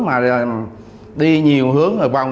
mà đi nhiều hướng rồi vòng